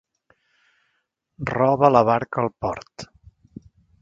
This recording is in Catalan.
Roba la barca al port.